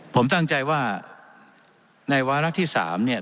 ผมตั้งใจว่าในวาระที่๓เนี่ย